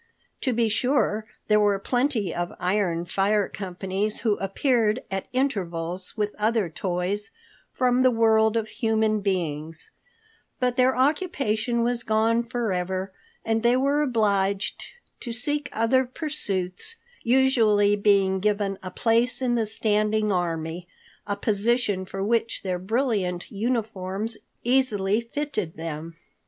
To be sure, there were plenty of iron fire companies who appeared at intervals with other toys from the world of human beings, but their occupation was gone forever, and they were obliged to seek other pursuits, usually being given a place in the standing army, a position for which their brilliant uniforms easily fitted them.